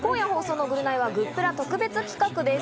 今夜放送の『ぐるナイ』はグップラ特別企画。